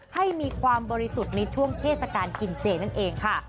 ให้มีความบริสุทธิ์ในช่วงเทศกาลกินเจนั่นเองค่ะ